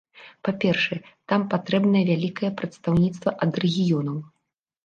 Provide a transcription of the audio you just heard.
Па-першае, там патрэбнае вялікае прадстаўніцтва ад рэгіёнаў.